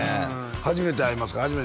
初めて会います